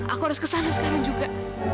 aku harus ke sana sekarang juga